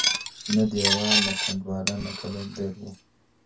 نه دېوال نه كنډواله نه قلندر وو-